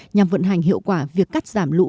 nhằm vận hành hiệu quả việc cắt giảm lũ